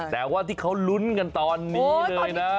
แต่ว่าที่เขาลุ้นกันตอนนี้เลยนะ